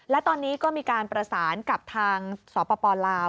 และตอนนี้ก็มีการประสานกับทางสปลาว